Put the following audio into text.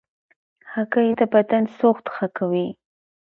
هګۍ د بدن سوخت ښه کوي.